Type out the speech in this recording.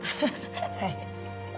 はい。